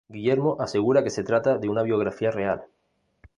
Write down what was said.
Guillermo asegura que se trata de una biografía real.